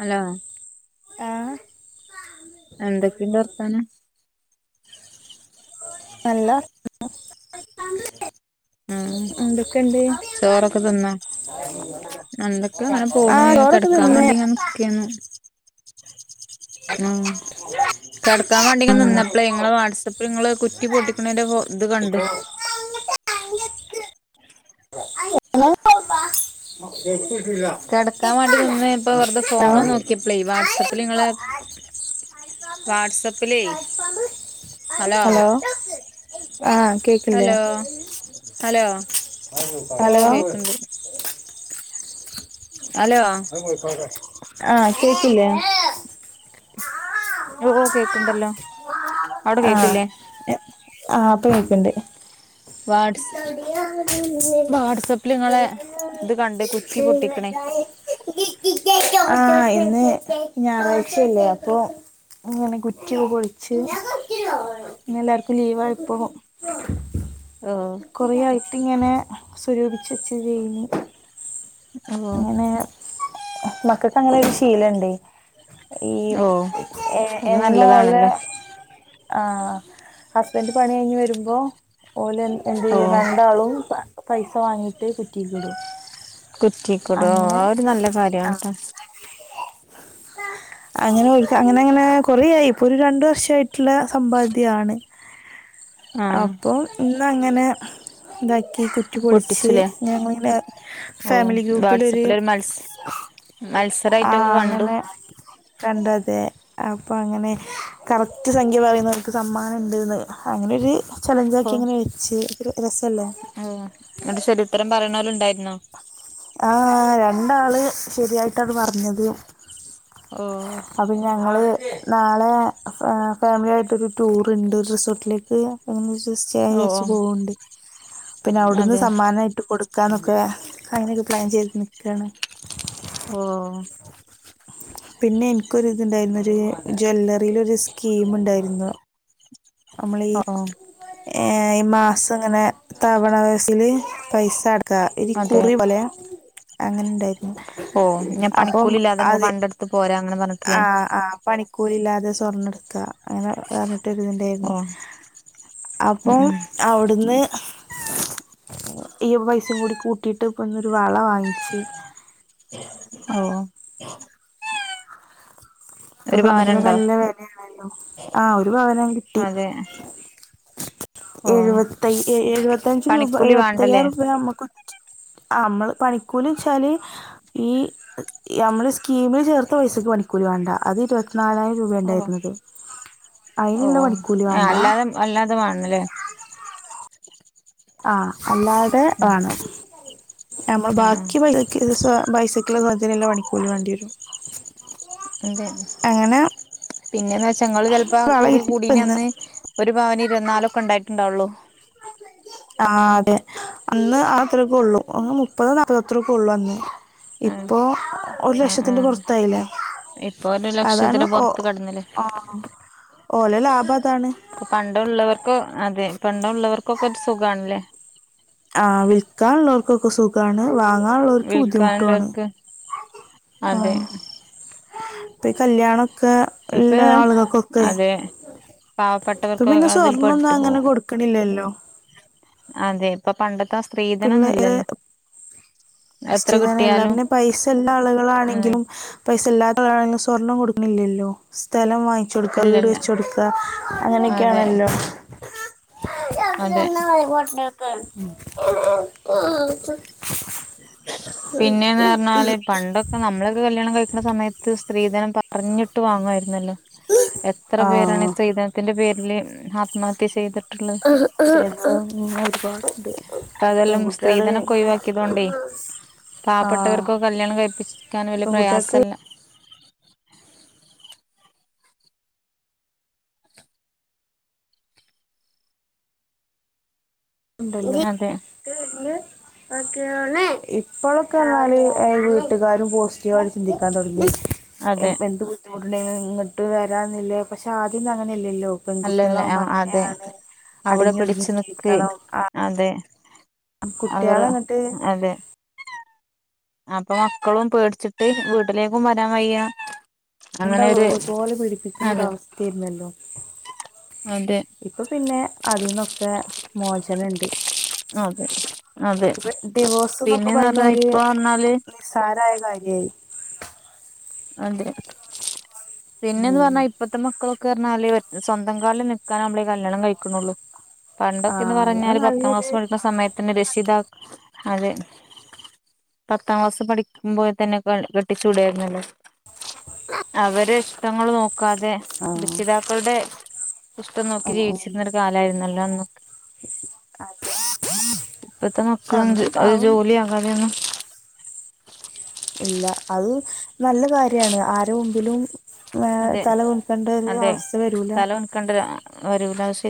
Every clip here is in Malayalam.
അലോ ആഹ് എന്തൊക്കെയുണ്ട് വർത്താനം നല്ലവർ ഉം എന്തൊക്കെയുണ്ട് ചോറൊക്കെ തിന്നാ അന്തൊക്കെ ഇങ്ങനെ ആ പോണ് ചോറൊക്കെ കെടക്കാൻ തിന്ന് വേണ്ടി ഇങ്ങനെ നിക്കെയാണ് ആഹ് കെടക്കാൻ വേണ്ടി ഇങ്ങ നിന്നപ്പളെ നിങ്ങളെ വാട്സപ്പിൽ നിങ്ങള് കുറ്റി പൊട്ടിക്കണേന്റെ ഇത് കണ്ട് [unintelligible] കിടക്കാൻ വേണ്ടി നിന്ന് ഇപ്പൊ വെറുതെ ഫോണ് നോക്കിയപ്പളേ വാട്സപ്പിൽ ഇങ്ങളെ വാട്സപ്പിലേ അലോ ഹലോ ആഹ് കേക്കല്ലേ ഹലോ ഹലോ ഓ ഹലോ കേക്ക്ണ്ട് അലോ ആഹ് കേക്കില്ലേ ഓഹ് ഓഹ് കേക്കണ്ടല്ലോ അവിടെ കേക്കില്ലേ ആഹ് ഇപ്പൊ കേക്കണ്ട് വാട്സ് വാട്സപ്പിൽ നിങ്ങളെ ഇത് കണ്ട് കുറ്റി പൊട്ടിക്കണേ ആഹ് ഇന്ന് ഞായറാഴ്ചയല്ലേ അപ്പൊ ഇങ്ങനെ കുറ്റി പൊളിച്ച് ഇന്ന് എല്ലാർക്കും ലീവായപ്പോ ആഹ് കൊറേ ആയിട്ട് ഇങ്ങനെ സ്വരൂപിച്ച് വെച്ച് ചെയ്യനു ഓ അങ്ങനെ മക്കക്ക് അങ്ങനെ ഒരു ശീലണ്ടേ ഈ ഓ ഏഹ് അത് എന്നു ഒള്ള നല്ലതാണല്ലോ ആഹ് ഹസ്ബൻഡ് പണി കയിഞ്ഞ് വരുമ്പോ ഓല എന്ത് ഓ ചെയ്യ രണ്ടാളും പൈസ വാങ്ങിട്ട് കുറ്റിലിടും കുറ്റിക്കിടോ ആഹ് ഒരു നല്ല കാര്യണട്ടാ ആഹ് [unintelligible] അങ്ങനെ ഒരു അങ്ങനെ അങ്ങനെ കൊറയായി ഇപ്പൊ ഒരു രണ്ടു വർഷയിട്ടുള്ള സമ്പാദ്യ ആണ് ആ അപ്പൊ ഇന്നങ്ങനെ ഇതാക്കി കുറ്റി പൊളിച്ച് പൊട്ടിച്ചുലേ ഞങ്ങളിങ്ങനെ ഓ ഫാമിലി ഗ്രൂപ്പിലൊര് വാട്സപ്പിലൊരു മത്സ ആഹ് മത്സരായിട്ടൊക്കെ കണ്ടു അങ്ങനെ കണ്ടതെ അപ്പൊ അങ്ങനെ കറക്റ്റ് സംഖ്യ പറയുന്നവർക്ക് സമ്മാനം ഉണ്ട്ന്ന് അങ്ങനൊര് ഓ ചലഞ്ചാക്കി ഇങ്ങനെ വെച്ച് ഇ രസല്ലേ ഓ എന്നിട്ട് ശരി ഉത്തരം പറയണവർ ഉണ്ടായിരുന്നോ? ആഹ, രണ്ടാള് ശരിയായിട്ടാ അത് പറഞ്ഞത് ഓ. അപിന്നെ ഞങ്ങള് നാളെ ഫാമിലി ആയിട്ടൊരു ടൂർ ഉണ്ട് റിസോർട്ടിലേക്ക് ഒ ഓ ഓ ഇഷ്ട്ടയിച്ചു പോണ്ട് പിന്നെ അവിടുന്ന് അതെ സമ്മാനമായിട്ട് കൊടുക്കാ ന്നൊക്കെ അങ്ങനെയൊക്കെ പ്ലാൻ ചെയ്ത് നിൽക്കാണ് ഓ പിന്നെ എനിക്കൊര് ഇതുണ്ടായിരുന്നൊരു ജ്വല്ലറിയിലൊരു സ്കീം ഉണ്ടായിരുന്നു. അമ്മളീ ഓ ഓ ഏ ഈ മാസം ഇങ്ങനെ തവണ വസയില് പൈസ അട ക്കാ ഈ അതെ കുറി പോലെ അങ്ങനെ ഇണ്ടായിരുന്നു ഓ ഞാൻ അപ്പം പണിക്കൂലില്ലാതെ നമുക്ക് അതേ പണ്ടെടുത്ത് പോരാ അങ്ങനെ പറഞ്ഞിട്ടില്ലേ ആഹ്‌ ആഹ്‌ പണി കൂലി ഇല്ലാതെ സ്വർണ എടുത്ത അങ്ങനെ പറഞ്ഞിട്ടെരുത് ഇണ്ടായിരുന്നു ഓ ഉം അപ്പം ഉം അവിടുന്ന് ഈ പൈസയും കൂടി കൂട്ടിയിട്ട് ഇപ്പന്നൊരു വള വാങ്ങിച്ച് ഓഹ് ഇപ്പ ഒരു സ്വർണത്തിനൊക്കെ പവനുണ്ടോ നല്ല വെലയാണല്ലോ ആ ഒരു പവന അതെ. ഓ എഴുവത്തയി എഴവത്തഞ്ച് രൂപ പണിക്കൂലി എഴവത്തയ്യാ വേണ്ടല്ലേ രൂപൃ നമക്ക് ആ അമ്മള് പണിക്കൂലി ച്ചാല് ഈ അമ്മള് സ്കീമിൽ ചേർത്ത പൈസക്ക് പണിക്കലി വേണ്ട അത് ഇരു നാലായിരം രൂപയ ഓ ഉണ്ടായിരുന്നത് അയിനുള്ള പണിക്കൂലി വേണ്ട വല്ലാതെ വേണല്ലേ ആ അല്ലാതെ ഉം ആണ് നമ്മൾ ആ ബാക്കി പൈസക്ക് സ പൈസ ക്ക്ള്ള സാൻത്തിന് പണിക്കൂലി വേണ്ടി വരും അതെ അങ്ങനെ പിന്നെന്ന് വെച്ച നിങ്ങള് ചിലപ്പ വള കുറി കൂടീ ഇപ്പന്ന് നന്ന് ഒരു പവന് ഇരുപത്തി നാല് ഒക്കെ ഇണ്ടായിട്ടുണ്ടാവുള്ളു. ആഹ്‌ അതെ അന്ന് ആത്രേക്കെ ഉള്ളൂ അ മുപ്പത് നാല്പ്പത്ത്രക്കെ ഉള്ളു അന്ന് ആ ഇപ്പൊ ഒരു ആ ആ ലക്ഷത്തിന്റെ പുറത്തായില്ലേ ഇപ്പൊ ഒരു ലക്ഷത്തി അതാണ് ഓ പുറത്ത് കടന്നില്ലേ ആ ഓലെ ലാഭതാണ് പണ്ടള്ളവർക്കോ അതെ പണ്ടള്ളവർക്കൊക്കെ ഒരു സുഖണല്ലേ ആ വിൽക്കാനുള്ളോർക്കൊക്കെ സുഖാണ് വാങ്ങാനുള്ളോർക്ക് ബുദ്ധിമുട്ടു ആണ് വിൽക്കാനുള്ളവർക്ക് അതെ ത്ത് കല്യാണ ക്കേ ഇപ്പ ഇല്ലേ ആളുകൾക്കൊക്കെ അതെ പാവപ്പെട്ടവർക്ക് ന്ന് പ്പോ അതിൽ സ്വർണൊന്നും പെട്ടു അങ്ങനെ പോവും കൊടു ക്ക്ണില്ലല്ലോ അതെ ഇപ്പൊ പണ്ടത്തെ സ്ത്രീധനൊന്നുല്ലല്ലോ. സ്ത്രീധനം ഇല്ല പിന്നെ പൈസ ഇള്ള ഉം ആളുകളാണെങ്കിലും പൈസ ഇല്ലാത്തണങ്കിലും സ്വർണം കൊടുക്കണില്ലല്ലോ സ്ഥലം വാ ച്ച്ടുക്ക വീട് ഇല്ലല്ല വെച്ച്ടുക്ക അതെ അങ്ങനെയൊക്കെയാണല്ലോ. അതെ [unintelligible] പിന്നെന്ന് പറഞ്ഞാല് പണ്ട് നമ്മളൊക്കെ കല്യാണം കഴിക്കുന്ന സമയത്ത് സ്ത്രീധനം പറഞ്ഞിട്ട് വാങ്ങുമായിരുന്നല്ലോ. എത്ര പേരാണ് ആഹ് സ്ത്രീധനത്തിന്റെ പേരില് ഹാത്മഹത്യ ചെയ്തെ ആഹ് ആഹ് ആഹ് ഒരുപാടുണ്ട് ഇപ്പ അതെല്ലാം പെൺകുട്ടി ത്താ സ്ത്രീധനൊക്കെ ഇങ്ങനെ ഒഴിവാക്കിയതോണ്ടേ ആ പാവപ്പെട്ടവർക്കൊക്കെ കല്യാണം കഴിപ്പിക്കാൻ വലിയ പെൺകുട്ടിയൾക്ക് പ്രയാസല്ല ഉണ്ടല്ലേ അതെ ഇപ്പോലൊകെ റഞ്ഞാല് വീട്ടുകാരും പോസിറ്റീവായിട്ട് ചിന്തിക്കാൻ തുടങ്ങി അതെ ഇപ്പെന്ത് ബുദ്ധിമുട്ടുണ്ടെങ്കിലും ഇങ്ങോട്ട് വരാന്നില്ലേ പക്ഷെ ആദ്യം അങ്ങനെയല്ലല്ലോ അല്ലല്ല ആ പെൺകുട്ടികളാവുമ്പോ അതെ അങ്ങനെയാണ് അവിടെ അടങ്ങി ഒതുങ്ങി പിടിച്ചു നിക്ക് ജീവിക്കണം ആ, അതെ അവർ കുട്ടികളെ അങ്ങോട്ട് അതെ അപ്പൊ മക്കളും പേടിച്ചിട്ട് വീട്ടിലേക്കും വരാൻ വയ്യ അങ്ങനെരു [unintelligible] പോല പീടിപ്പിക്കുന്ന അതെ ഇതവസ്ഥ അല്ലല്ലോ അതെ ഇപ്പ പിന്നെ അതിന്നൊക്കെ മോചനുണ്ട് അതെ അതെ ഇപ്പ ഡിവോഴ്സ് എന്നൊക്കെ പിന്നെന്ന് പറഞ്ഞാ പറയുന്നൊരു ഇപ്പ പറഞ്ഞാല് നിസ്സാര ആയ കാര്യായി അതെ പിന്നെന്ന് ഉം. പറഞ്ഞാ ഇപ്പത്തെ മ ക്കളൊക്കെ പറഞ്ഞാല് സ്വന്തം കാലിൽ നിൽക്കാനാവുമ്പളല്ലേ കല്യാണം കഴിക്കുന്നുള്ളു ആ പണ്ടൊക്കെന്ന് അത് പറഞ്ഞാല് പത്താം നല്ലൊരു ക്ലാസ് പഠിക്കുന്ന സമയത്തന്നെ രക്ഷിതാക്കള് അതെ പത്താം ക്ലാസ് പഠിക്കുമ്പോ തന്നെ കെട്ടിച്ച് വിടുവായിരുന്നല്ലോ അവര് ഇഷ്ടങ്ങള് നോക് ക്കാതെ ആ രക്ഷിതാക്കളുടെ ഇഷ്ട്ടം നോക്കി ഉം, ഉം. ജീവിച്ചിരുന്ന ഒരു കാലമായിരുന്നല്ലോ അന്നൊക്ക അതെ ഇപ്പത്തെ പക്ഷെ മക്കളും അന്നും ഒരു പാവം ജോലിയാ കാതെയൊന്നും ഇല്ല അത് നല്ല കാര്യാണ് ആരെ മുമ്പിലും ഏ അതെ തല കുനിക്കേണ്ട ഒരു അവസ്ഥ വരൂല കണ്ട വരൂല ഷ്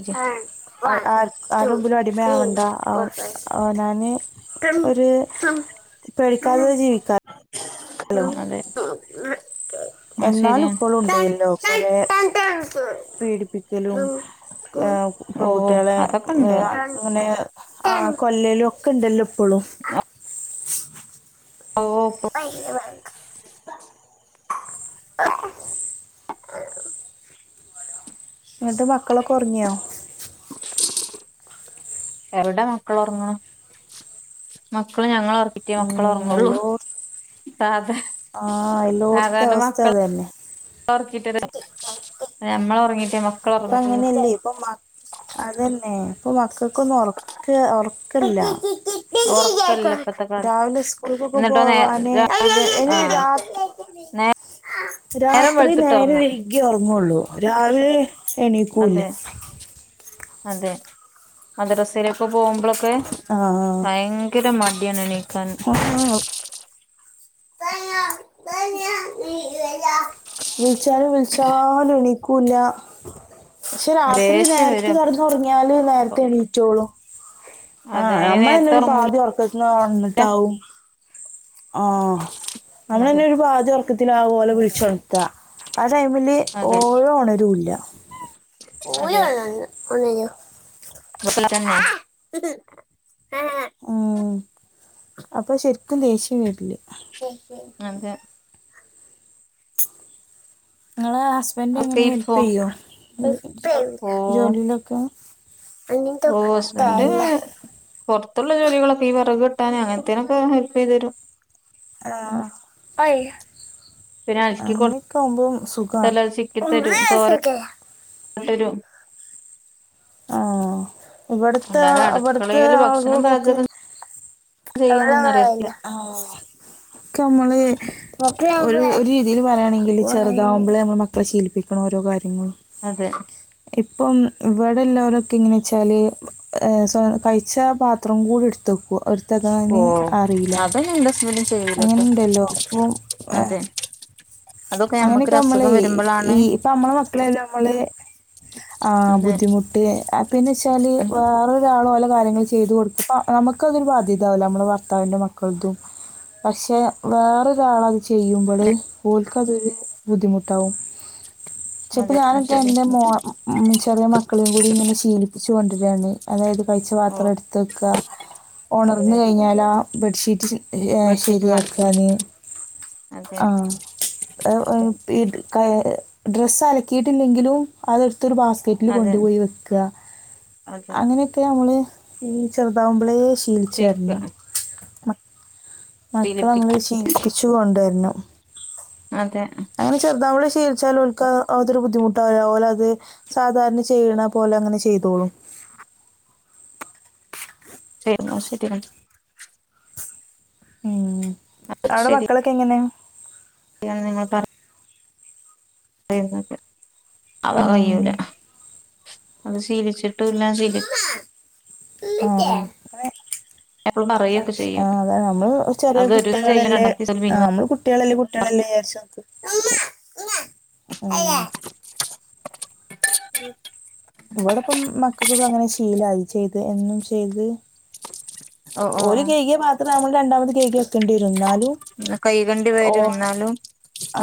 ആ ആരമുമ്പിലും അടിമയാവണ്ട അവനവന് ഒര് പേടിക്കാതെ ജീവിക്കാ [inaudible] അതെ അത് എന്നാലും ശരിയാണ് ഇപ്പളുണ്ട് [unintelligible] പീഡിപ്പിക്കലും ഓ പെൺകുട്ടികളെ അതൊക്കെ ഇണ്ട് അങ്ങനെ കൊല്ലലും ഒക്കെ ഉണ്ടല്ലോ ഇപ്പോളും ഓ [unintelligible] [unintelligible] [inaudible] എന്നിട്ട് മക്കളൊക്കെ ഉറങ്ങിയോ എവിട മക്കൾ ഉറങ്ങ മക്കള് ഞങ്ങള് റ്റേ മക്കള് ഉം, ഉറങ്ങുള്ളൂ [unintelligible] ആഹ് എല്ലോട്ത്തെ അവസ്ഥ ഇതന്നെ ഉറക്കീട്ടാ [unintelligible] നമ്മള് ഉറങ്ങിട്ടേ [unintelligible] ഇപ്പ അങ്ങനെയല്ലേ ഇപ്പൊ മ അതന്നെ ഇപ്പൊ മക്കൾക്കൊന്നും ഉറക് ഉറക്കില്ല ഉറക്കല്ല ഇപ്പത്തെ കാലത്ത് രാവിലെ സ്കൂൾക്കൊക്കെ എന്നിട്ടോ നേ പോവാന് രാവിലെ ആ [unintelligible] നേ നേരം രാത്രി നേരം വെളുത്തിട്ടിറങ്ങും വൈകി ഉറങ്ങുള്ളു രാവിലെ എണീക്കൂല അതെ അതെ മദ്രസെലും ഒക്കെ പോകുമ്പോളൊക്കെ ആ ഭയങ്കര മടിയാണെനി [unintelligible] [unintelligible] വിളിച്ചാലും വിളിച്ചാലും എണിക്കൂല്ല പക്ഷെ രാത്രി ദേഷ്യം നേരത്ത് വരും കെടന്നുറങ്ങിയാല് അപ്പൊ നേരത്തെ എണീറ്റോളും അതെ ആഹ് അയിന് നമ്മളന്നെ നേരത്തെ ഒരു ഉറങ്ങൂല പാതി ഉറക്കതിന്ന് ഒണർന്നിട്ടാവും ആഹ് അതെ നമ്മളന്നെ ഒരു പാതിഉറക്കത്തിലാവു ഓലെ വിളിച്ചൊണ ർത്തുക ആ ടൈമില് അതെ ഓള് ഒണരൂല അതെ [unintelligible] ഴിഞ്ഞോ [unintelligible] ഉം അപ്പൊ ശരിക്കും ദേഷ്യം [unintelligible] അതെ നിങ്ങളെ ഹസ്ബൻഡ് ഒക്കെ എങ്ങനെ ഈ ഹെല്പ് ഫോ ചെയ്യോ ഓ ജോലിയിലൊക്ക ഓ അങ്ങിൻത്തോക്ക് ഹസ്ബൻഡ് ട്ടേല്ല. പുറത്തുള്ള ജോലികളൊക്കെ ഈ വിറക് വെട്ടാന് അങ്ങനത്തേനൊക്കെ ഹെൽപ്പ് ചെയ്തു തരും ആഹ് പിന്നെ അലക്കി അങ്ങനെയൊക്കെ ആവുമ്പം കൊടുത്താല് സുഖാണ് അത് കൊണ്ടെരോ? ആ ഇവിടുത്തെ അല്ലാതെ അവിടുത്തെ അടുക്കളയില് ഭക്ഷണം ആളുകളൊക്കെ പാചകം ചെയ്യാനൊന്നും അറിയത്തില്ല [unintelligible] നമ്മള് ഒരു രീതിയിൽ പറയാണെങ്കില് ചെറുതാകുമ്പോളേ നമ്മൾ മക്കളെ ശീലിപ്പിക്കണം ഓരോ കാര്യങ്ങളും. അതെ ഇപ്പം ഇവിടെ എല്ലാവരൊക്കെ എങ്ങനെ വെച്ചാല് സ്വയം കഴിച്ച പാത്രം കൂടി എടുത്ത് വെക്കു ഓ എടുത്തെക്കാന് അറിയില്ല അതൊന്നും എന്റെ ഹസ്ബൻഡ് ചെയ്യൂലട്ടോ അങ്ങനെണ്ടല്ലോ പ്പോ അതെ അതൊക്കെ അങ്ങനെയൊക്കെ ഞമ്മക്കൊരു നമ്മള് അസുഖം വരുമ്പളാണ് ഈ ഇപ്പ നമ്മളെ മക്കളെയെല്ലാം നമ്മള് ആഹ് ബുദ്ധിമുട്ട് പിന്നെ വെച്ചാല് വേറൊരാളോല് കാര്യങ്ങൾ ചെയ്ത് കൊടുക്ക നമുക്ക് അതൊരു ബാധ്യതാവില്ലേ നമ്മളെ ഭർ ർത്താവിന്റെ മക്കളതും പക്ഷെ വേറൊരാള ചെയ്യുമ്പോള് അതെ ഓല്ക്ക് അതൊരു ബുദ്ധിമുട്ടാവും ച്ച്പ്പോ അതെ അത് ഞാനൊക്കെ ശരി എന്റെ മോ ചെറിയ മക്കളെയും കൂടി ഇങ്ങനെ ശീലിപ്പിച്ച് കൊണ്ടിരാണ് അതായത് കഴിച്ച ഓ പാത്രം എടുത്ത് വെക്ക ഉണർന്ന് അതെ കഴിഞ്ഞാൽ ആഹ് ബെഡ്ഷീറ്റ് ഏഹ് ബെഡ്ഷീറ്റ് മാറ്റി ശെരിയാക്കാന് അതെ ആഹ് ഡ്രെസ്സ് അലക്കിയിട്ടില്ലെങ്കിലും അതെടുത്തൊരു ബാസ് ക്കറ്റില് അതെ കൊണ്ടുപോയി വെക്കുക അതെ അങ്ങനെയൊക്കെ നമ്മള് ഈ ചെറുതാവുമ്പളേ ശീലിച്ച് ചെയ്യിക്കുക വരണം മക്കളെ നമ്മള് ശീലിപ്പിക്ക ശീലിപ്പിച്ചു കൊണ്ട് വരണം അതെ അങ്ങനെ ചെറുതാവുമ്പോ ശീലിച്ചാൽ ഓൽക്ക് അതൊരു ബുദ്ധിമുട്ടാവല്ല ഓല് അത് സാധാരണ ചെയ്യണ പോലെ അങ്ങനെ ചെയ്തോളും ശെരി എന്നാ ശെരി ഉം അതൊക്കെ അവിടെ മക്കളൊക്കെ എങ്ങനെയാ [unintelligible] അവ കഴൂകൂല ഉം. അത് ശീലിച്ചിട്ടുല്ലാ ശീലി ഉം എപ്പളും പറയൊക്കെ ചെയ്യും ആഹ് അതെ നമ്മള് ചെറിയ അത് ഒരുസം ചെയ്യും കുട്ടികളല്ലേ രണ്ടാമത്തെ ദിവസം ആഹ് പിന്നെ നമ്മള് കുട്ടികളല്ലേ കുട്ടികളല്ലേ വിചാരിച്ച് ഉം ഇവിടിപ്പം മക്കക്കോ ഇപ്പൊ അങ്ങനെ ശീലായി ചെയ്ത് എന്നും ചെയ്ത് ഓ ഓ ഓര് കഴുകിയ പാത്രം നമ്മൾ രണ്ടാമത് കഴുകി വെക്കേണ്ടി വരും എന്നാലും. കൈകണ്ടി ഓ വരും എന്നാലും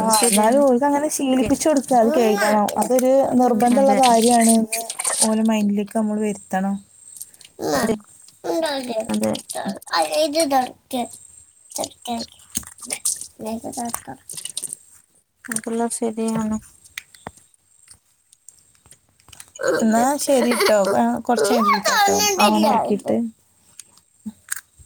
അത് എന്നാലും ശരിയാണ് ഓല്ക്ക് അങ്ങനെ പി ശീലിപ്പിച്ചു കൊടുക്കാ അത് കഴുകണം ഇതൊരു നിർബന്ധമുള്ള അതെ കാര്യാണ്ന്ന് ഓലെ മൈൻഡിലേക്ക് നമ്മൾ വരുത്തണം ഉമ്മ അതെ അതെ അ ഇത് ദൊരക്കക്ക [unintelligible] അനക്കുള്ളത് ശരി ആണൊ എന്നാ ശെരിട്ടോ കൊറച്ച് കഴിഞ്ഞിട്ട് വിളിക്കാം മോനെ ഓക്കെ ഉറക്കിയിട്ട്